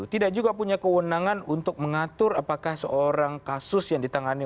tidak juga punya kewenangan untuk mengatur apakah seorang kasus yang ditangani